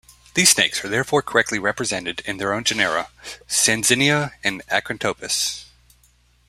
These snakes are therefore correctly represented in their own genera: "Sanzinia" and "Acrantophis".